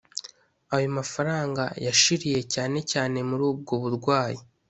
Ayo mafaranga yashiriye cyane cyane muri ubwo burwayi